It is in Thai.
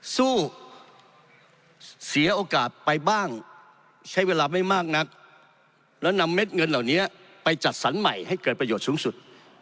สู้เสียโอกาสไปบ้างใช้เวลาไม่มากนักแล้วนำเม็ดเงินเหล่านี้ไปจัดสรรใหม่ให้เกิดประโยชน์สูงสุด